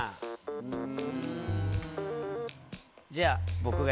うん。